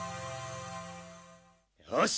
よし！